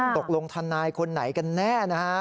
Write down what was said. ทนายคนไหนกันแน่นะฮะ